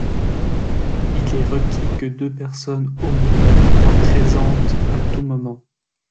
Il est requis que deux personnes au moins soient présentes à tout moment.